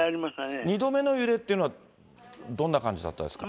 ２度目の揺れっていうのは、どんな感じだったですか。